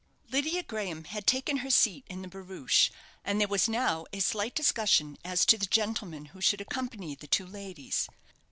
Lydia Graham had taken her seat in the barouche, and there was now a slight discussion as to the gentlemen who should accompany the two ladies.